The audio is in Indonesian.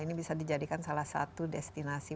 ini bisa dijadikan salah satu destinasi